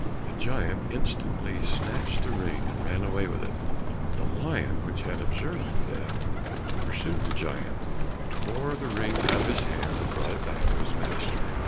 The giant instantly snatched the ring, and ran away with it, but the lion, which had observed the theft, pursued the giant, tore the ring out of his hand, and brought it back to its master.